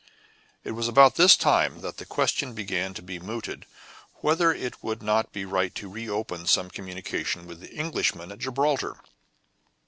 It was about this time that the question began to be mooted whether it would not be right to reopen some communication with the Englishmen at Gibraltar.